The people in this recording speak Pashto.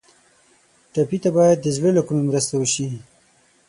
ټپي ته باید د زړه له کومي مرسته وشي.